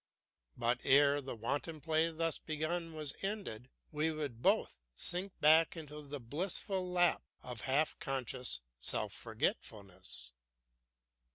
But ere the wanton play thus begun was ended, we would both sink back into the blissful lap of half conscious self forgetfulness.